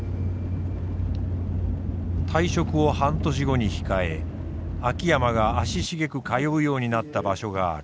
退職を半年後に控え秋山が足しげく通うようになった場所がある。